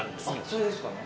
それですかね。